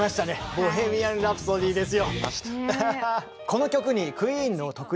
「ボヘミアン・ラプソディ」ですよ。